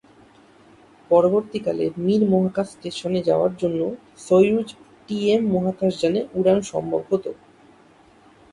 পরবর্তীকালে মির মহাকাশ স্টেশনে যাওয়ার জন্যে সোইয়ুজ-টিএম মহাকাশযানে উড়ান সম্ভব হোত।